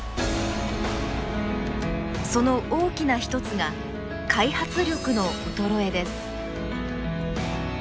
その大きな一つが開発力の衰えです。